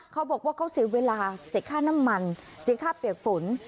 เขาบอกว่าเขาเสียเวลาเสียค่าน้ำมันเสียค่าเปียกฝน